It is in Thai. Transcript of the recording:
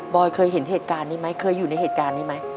อยเคยเห็นเหตุการณ์นี้ไหมเคยอยู่ในเหตุการณ์นี้ไหม